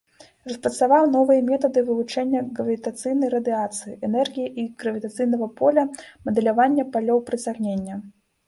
Распрацаваў новыя метады вывучэння гравітацыйнай радыяцыі, энергіі гравітацыйнага поля, мадэлявання палёў прыцягнення.